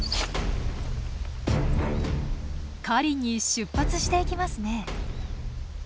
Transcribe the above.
狩りに出発していきますね。